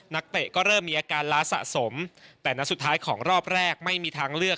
เตะก็เริ่มมีอาการล้าสะสมแต่นัดสุดท้ายของรอบแรกไม่มีทางเลือก